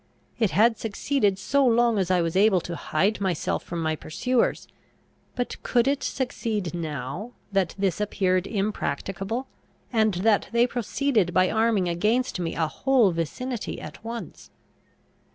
It had succeeded so long as I was able to hide myself from my pursuers; but could it succeed now, that this appeared impracticable, and that they proceeded by arming against me a whole vicinity at once?